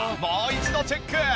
もう一度チェック！